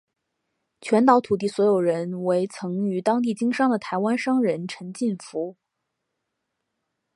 全岛土地所有人为曾于当地经商的台湾商人陈进福。